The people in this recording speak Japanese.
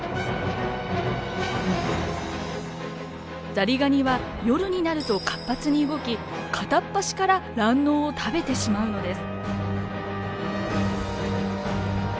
ザリガニは夜になると活発に動き片っ端から卵のうを食べてしまうのです。